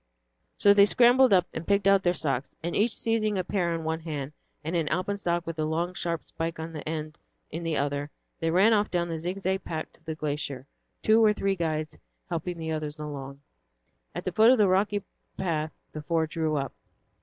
So they scrambled up, and picked out their socks, and, each seizing a pair in one hand and an alpenstock with a long, sharp spike on the end in the other, they ran off down the zigzag path to the glacier, two or three guides helping the others along. At the foot of the rocky path the four drew up.